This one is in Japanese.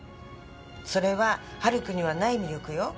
それははるくんにはない魅力よ。